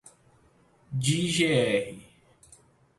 De gr